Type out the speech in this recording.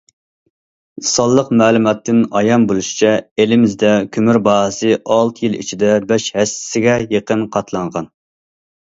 سانلىق مەلۇماتتىن ئايان بولۇشىچە، ئېلىمىزدە كۆمۈر باھاسى ئالتە يىل ئىچىدە بەش ھەسسىگە يېقىن قاتلانغان.